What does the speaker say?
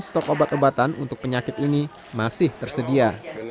stok obat obatan untuk penyakit ini masih tersedia